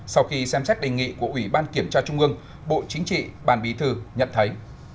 sau khi xem xét đề nghị của ủy ban kiểm tra trung ương bộ chính trị ban bí thư nhận thấy